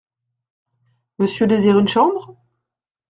Monsieur désire une chambre ?